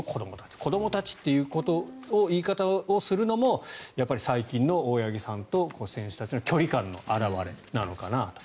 子どもたちっていう言い方をするのもやっぱり最近の大八木さんと選手たちの距離感の表れなのかなと。